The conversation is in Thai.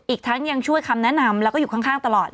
อีกทั้งยังช่วยคำแนะนำแล้วก็อยู่ข้างตลอด